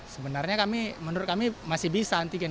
sebenarnya kami menurut kami masih bisa antigen